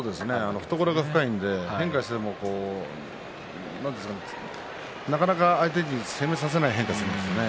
懐が深いので変化してもなかなか相手に攻めさせられない変化をしているんですね。